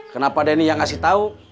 kenapa denny yang ngasih tahu